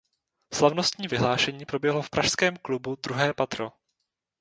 Slavnostní vyhlášení proběhlo v pražském klubu Druhé patro.